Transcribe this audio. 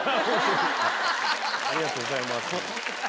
ありがとうございます。